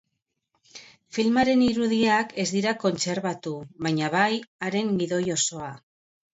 Filmaren irudiak ez dira kontserbatu, baina bai haren gidoi osoa.